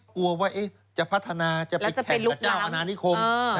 กลัวว่าจะพัฒนาจะไปแข่งกับเจ้าอนานิคม